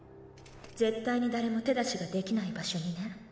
絶対に誰も手出しができない場所にね。